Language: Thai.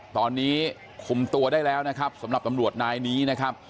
ตอนนี้คุมตัวได้แล้วนะครับสำหรับตำรวจนายนี้นะครับ